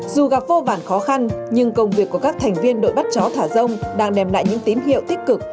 dù gặp vô vản khó khăn nhưng công việc của các thành viên đội bắt chó thả rông đang đem lại những tín hiệu tích cực